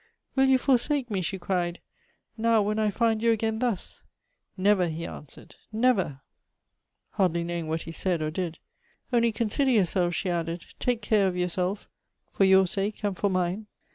'Will you forsake me,' she cried, 'now when I find you again thus ?'' Never,' he answered, ' never :' Elective Affinities. 259 hardly knowing what he said or did. ' Only consider yourself,' she added ;' take care of yourself, for your sake and for mine.'